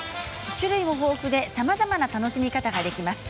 種類も豊富でさまざまな楽しみ方ができます。